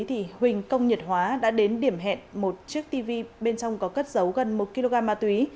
thì huỳnh công nhật hóa đã đến điểm hẹn một chiếc tv bên trong có cất giấu gần một kg ma túy